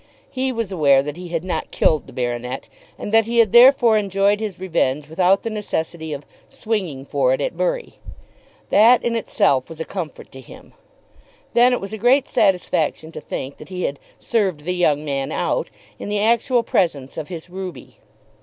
He was aware that he had not killed the baronet, and that he had therefore enjoyed his revenge without the necessity of "swinging for it at Bury." That in itself was a comfort to him. Then it was a great satisfaction to think that he had "served the young man out" in the actual presence of his Ruby.